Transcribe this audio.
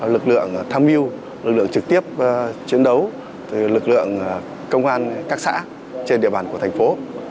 lực lượng tham mưu lực lượng trực tiếp chiến đấu lực lượng công an các xã trên địa bàn của thành phố